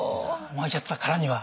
巻いちゃったからには。